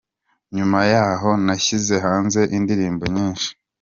Nyuma yahoo nashyize hanze indirimbo nyinshi.